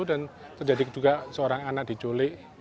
dan terjadi juga seorang anak diculik